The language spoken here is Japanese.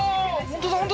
本当だ